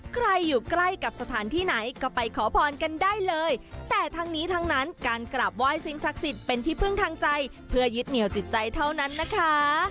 ใกล้อยู่ใกล้กับสถานที่ไหนก็ไปขอพรกันได้เลยแต่ทั้งนี้ทั้งนั้นการกราบไหว้สิ่งศักดิ์สิทธิ์เป็นที่พึ่งทางใจเพื่อยึดเหนียวจิตใจเท่านั้นนะคะ